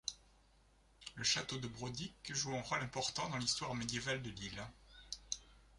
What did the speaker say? Le château de Brodick joue un rôle important dans l'histoire médiévale de l'île.